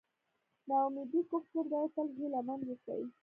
نا اميدي کفر دی تل هیله مند اوسئ.